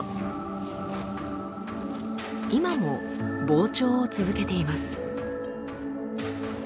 今も膨張を続けています。